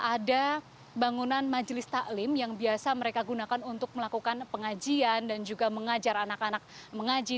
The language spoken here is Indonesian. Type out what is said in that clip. ada bangunan majelis taklim yang biasa mereka gunakan untuk melakukan pengajian dan juga mengajar anak anak mengaji